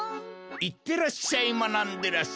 いってらっしゃいまなんでらっしゃい。